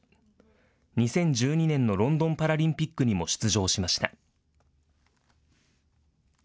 ２０１２年のロンドンパラリンピックにも出場しました。